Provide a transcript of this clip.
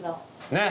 ねっ。